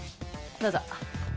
どうぞ。